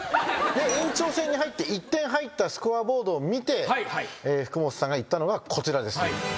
で延長戦に入って１点入ったスコアボードを見て福本さんが言ったのはこちらです。